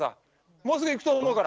もうすぐ行くと思うから！